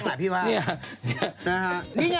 กันมาึกลาก็นะคะ